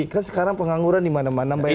kan sekarang pengangguran dimana mana mbak eva